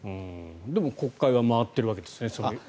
でも国会は回っているわけですよね。